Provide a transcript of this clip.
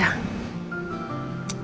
tuh makasih ya